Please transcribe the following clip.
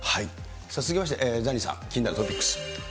続きましてザニーさん、気になるトピックス。